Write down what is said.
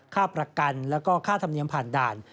ค่าประกันแล้วก็ค่าธรรมเนียมผ่านด่าน